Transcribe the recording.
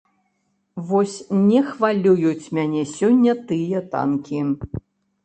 Вось не хвалююць мяне сёння тыя танкі.